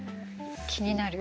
気になる？